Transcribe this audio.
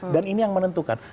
dan ini yang menentukan